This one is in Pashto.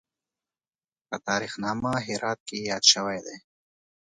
په تاریخ نامه هرات کې یاد شوی دی.